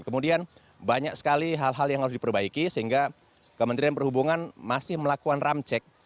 kemudian banyak sekali hal hal yang harus diperbaiki sehingga kementerian perhubungan masih melakukan ramcek